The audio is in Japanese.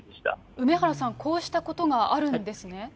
梅原さん、こうしたことがあるんですね。